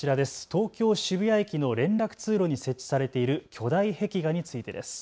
東京渋谷駅の連絡通路に設置されている巨大壁画についてです。